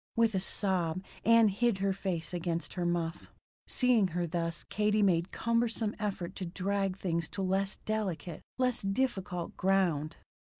With a sob, Ann hid her face against her muff. Seeing her thus, Katie made cumbersome effort to drag things to less delicate, less difficult, ground.